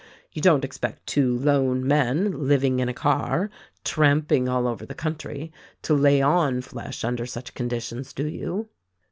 You don't expect two lone men, living in a car, tramping all over the country, to lay on flesh under such conditions, do you?"